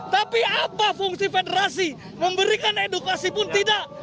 tapi apa fungsi federasi memberikan edukasi pun tidak